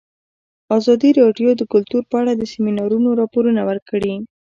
ازادي راډیو د کلتور په اړه د سیمینارونو راپورونه ورکړي.